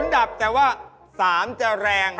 ดับแต่ว่า๓จะแรง